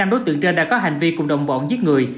năm đối tượng trên đã có hành vi cùng đồng bọn giết người